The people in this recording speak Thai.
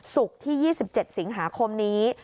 สุขที่๒๗สิงหาคมนี้